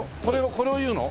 これを言うの？